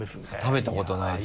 食べたことないです。